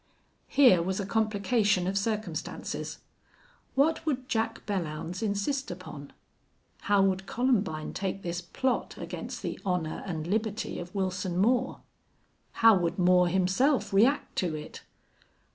Here was a complication of circumstances. What would Jack Belllounds insist upon? How would Columbine take this plot against the honor and liberty of Wilson Moore? How would Moore himself react to it?